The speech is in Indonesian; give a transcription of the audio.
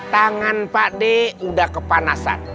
tangan pak d udah kepanasan